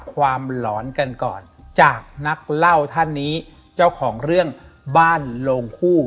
หลอนกันก่อนจากนักเล่าท่านนี้เจ้าของเรื่องบ้านโลงคู่